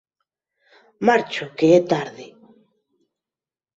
Marcho que é tarde